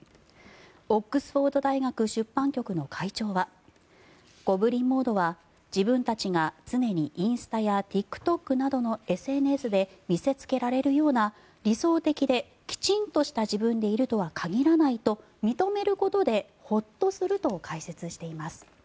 オックスフォード大学出版局の会長はゴブリン・モードは自分たちが常にインスタやＴｉｋＴｏｋなどのＳＮＳで見せつけられるような理想的できちんとした自分でいるとは限らないと認めることでホッとすると解説しています。